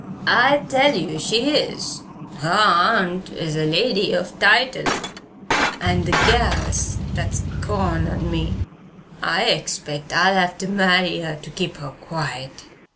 "I tell you she is her aunt's a lady of title, and the gal's that gone on me I expect I'll have to marry her to keep her quiet."